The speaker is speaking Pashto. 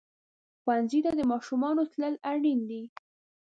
ښوونځي ته د ماشومانو تلل اړین دي.